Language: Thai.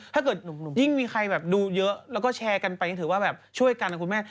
ถ้าเกิดยิ่งมีใครดูเยอะแล้วก็แชร์กันไปถือว่าช่วยกันนะคุณแม่